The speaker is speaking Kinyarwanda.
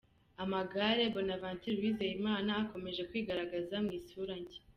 Amagare: Bonaventure Uwizeyimana akomeje kwigaragaza mu isura nshya.